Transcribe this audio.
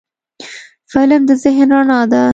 فلم د ذهن رڼا ده